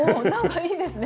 いいですね。